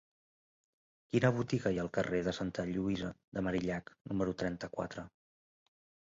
Quina botiga hi ha al carrer de Santa Lluïsa de Marillac número trenta-quatre?